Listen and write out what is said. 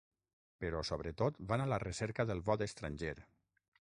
Però sobretot, van a la recerca del vot estranger.